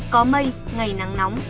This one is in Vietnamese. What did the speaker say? có mây ngày nắng nóng